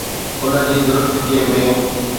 ان جي درستگي ۾.